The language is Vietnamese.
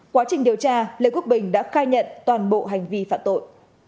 quá trình điều tra lê quốc bình đã khai nhận toàn bộ hành vi phạm tội